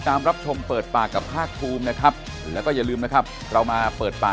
ถ้ามันร่วมอยู่ในรัฐบาล